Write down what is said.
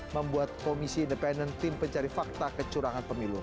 membuat komisi independen tim pencari fakta kecurangan pemilu